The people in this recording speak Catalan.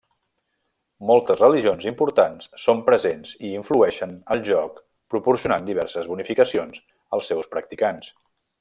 Moltes religions importants són presents i influeixen el joc proporcionant diverses bonificacions als seus practicants.